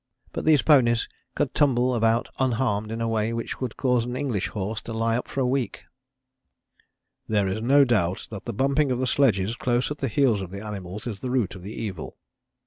But these ponies could tumble about unharmed in a way which would cause an English horse to lie up for a week. "There is no doubt that the bumping of the sledges close at the heels of the animals is the root of the evil."